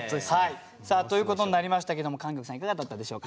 さあということになりましたけども莟玉さんいかがだったでしょうか？